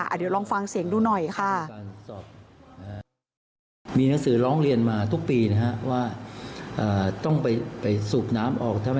เดี๋ยวลองฟังเสียงดูหน่อยค่ะ